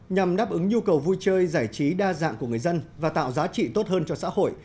nhằm đáp ứng nhu cầu vui chơi giải trí đa dạng của người dân và tạo giá trị tốt hơn cho xã hội